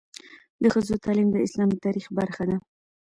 د ښځو تعلیم د اسلامي تاریخ برخه ده.